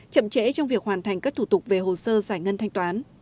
chậm trễ trong việc hoàn thành các thủ tục về hồ sơ giải ngân thanh toán